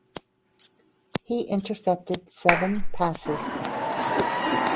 He intercepted seven passes.